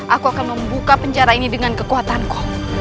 aku akan membuka penjara ini dengan kekuatanku